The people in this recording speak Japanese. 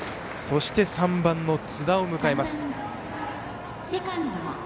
そして、３番の津田を迎えます。